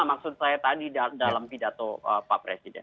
maksud saya tadi dalam pidato pak presiden